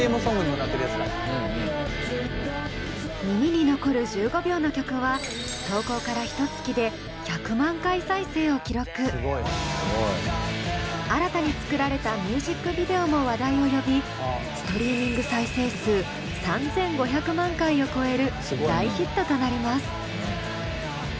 耳に残る１５秒の曲は新たに作られたミュージックビデオも話題を呼びストリーミング再生数３，５００万回を超える大ヒットとなります。